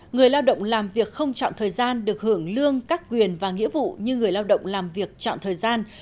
người lao động làm việc không chọn thời gian được hưởng lương các quyền và nghĩa vụ như người lao động làm việc chọn thời gian